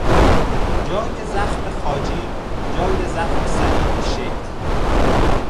جای زخم خاجی، جای زخم صلیبی شکل